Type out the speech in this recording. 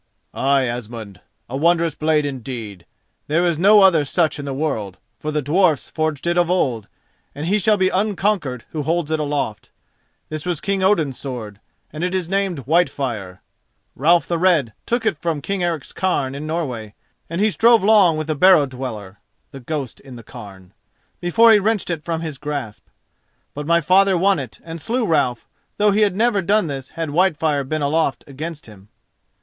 "Ay, Asmund, a wondrous blade indeed. There is no other such in the world, for the dwarfs forged it of old, and he shall be unconquered who holds it aloft. This was King Odin's sword, and it is named Whitefire. Ralph the Red took it from King Eric's cairn in Norway, and he strove long with the Barrow Dweller[*] before he wrenched it from his grasp. But my father won it and slew Ralph, though he had never done this had Whitefire been aloft against him.